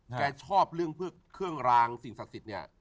แกชอบเรื่องพวกเครื่องรางสิ่งศักดิ์สิทธิ์เนี่ย